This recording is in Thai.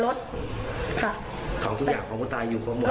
ของทุกอย่างของคุณตายอยู่หรือเปล่า